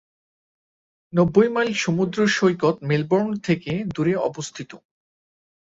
নব্বই মাইল সমুদ্র সৈকত মেলবোর্ন থেকে দূরে অবস্থিত।